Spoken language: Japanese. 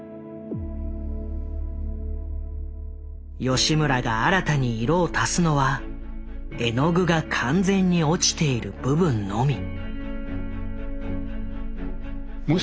吉村が新たに色を足すのは絵の具が完全に落ちている部分のみ。